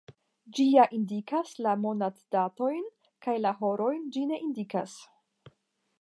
Ĝi ja indikas la monatdatojn, kaj la horojn ĝi ne indikas.